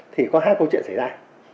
thì có hai câu chuyện xảy ra